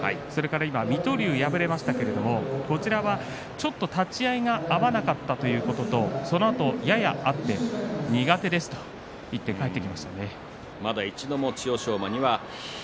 水戸龍、敗れましたがこちらは立ち合いが合わなかったということとそのあとやや間があって苦手です、と言って帰っていきました。